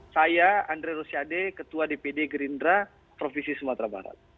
saya andre rosiade ketua dpd gerindra provinsi sumatera barat